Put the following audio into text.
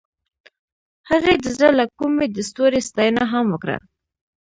هغې د زړه له کومې د ستوري ستاینه هم وکړه.